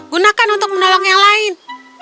gunakan untuk menolong yang lain